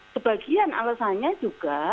sebagian alasannya juga